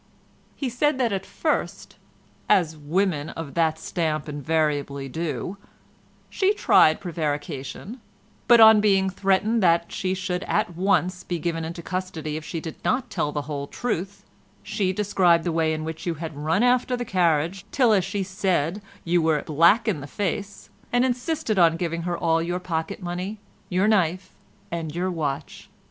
"He said that at first—as women of that stamp invariably do—she tried prevarication, but on being threatened that she should at once be given into custody if she did not tell the whole truth, she described the way in which you had run after the carriage, till as she said you were black in the face, and insisted on giving her all your pocket money, your knife and your watch.